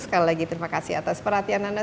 sekali lagi terima kasih atas perhatian anda